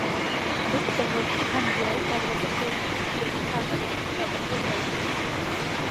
რუსუდან ლორთქიფანიძე არის აგრეთვე ფლორენციის დიდებულთა აკადემიის საპატიო წევრი.